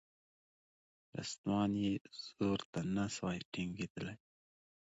رستمان یې زور ته نه سوای ټینګېدلای